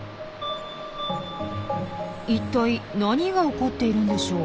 一体何が起こっているんでしょう？